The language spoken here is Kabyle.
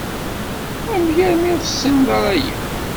Amek armi ur tessined ara aya?